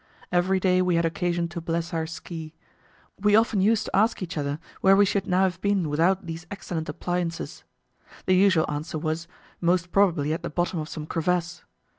Every day we had occasion to bless our ski. We often used to ask each other where we should now have been without these excellent appliances. The usual answer was: Most probably at the bottom of some crevasse.